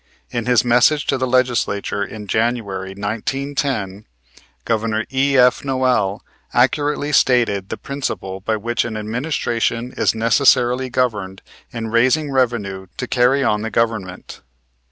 In his message to the Legislature in January, 1910, Governor E.F. Noel accurately stated the principle by which an administration is necessarily governed in raising revenue to carry on the government.